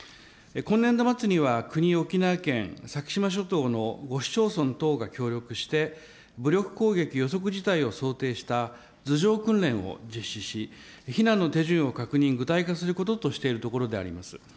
今年度末には、国、沖縄県、先島諸島の５市町村等が協力して、武力攻撃予測事態を想定した図上訓練を実施し、避難の手順を確認、具体化することとしているところであります。